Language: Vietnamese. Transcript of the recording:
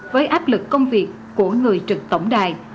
với áp lực công việc của người trực tổng đài